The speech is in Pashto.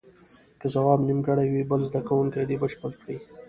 که ځواب نیمګړی وي بل زده کوونکی دې بشپړ کړي.